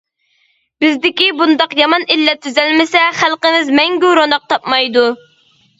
بىزدىكى بۇنداق يامان ئىللەت تۈزەلمىسە، خەلقىمىز مەڭگۈ روناق تاپمايدۇ.